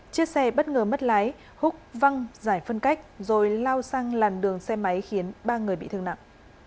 chiếc xe bất ngờ mất lái húc văng giải phân cách rồi lao sang làn đường xe máy khiến ba người bị thương nặng